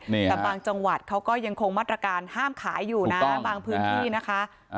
แต่บางจังหวัดเขาก็ยังคงมาตรการห้ามขายอยู่นะบางพื้นที่นะคะ